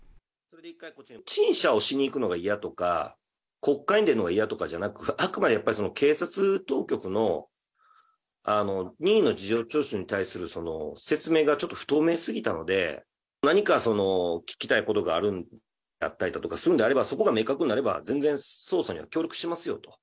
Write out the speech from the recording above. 陳謝をしに行くのが嫌とか、国会に出るのが嫌とかじゃなく、あくまでやっぱり警察当局の任意の事情聴取に対する説明がちょっと不透明すぎたので、何かその聞きたいことがあるんだったりするんであれば、そこが明確になれば、全然捜査には協力しますよと。